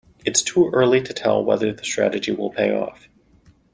It's too early to tell whether the strategy will pay off.